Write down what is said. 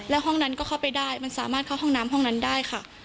แล้วห้องนั้นก็เข้าไปได้มันสามารถเข้าห้องน้ำห้องนั้นได้ค่ะ